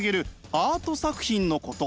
アート作品のこと。